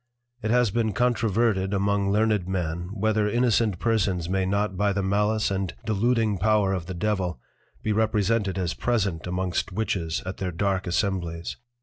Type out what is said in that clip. It has been Controverted among Learned Men, whether innocent Persons may not by the malice and deluding Power of the Devil be represented as present amongst Witches at their dark Assemblies.